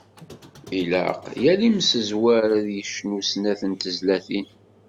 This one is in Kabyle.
Ilaq, yal imsezwer ad d-yecnu snat n tezlatin.